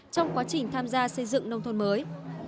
trong quá trình tham gia xây dựng nông thôn mới